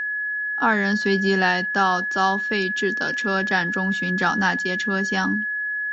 二人随即来到遭废置的车站中寻找那节车厢。